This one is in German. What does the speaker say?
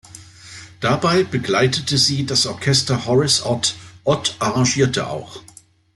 Dabei begleitete sie das Orchester Horace Ott; Ott arrangierte auch.